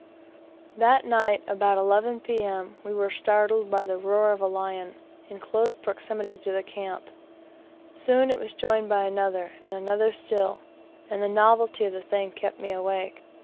That night, about 11 P.M., we were startled by the roar of a lion, in close proximity to the camp. Soon it was joined by another, and another still, and the novelty of the thing kept me awake.